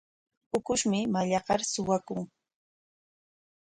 Ukushmi mallaqnar suwakun.